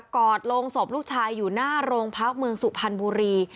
อดโรงศพลูกชายอยู่หน้าโรงพักเมืองสุพรรณบุรี